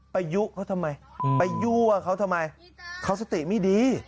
ยุเขาทำไมไปยั่วเขาทำไมเขาสติไม่ดี